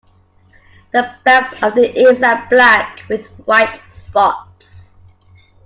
The backs of the ears are black with white spots.